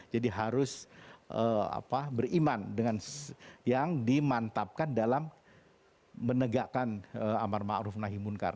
jadi harus beriman dengan yang dimantapkan dalam menegakkan amal ma'ruf nahi munkar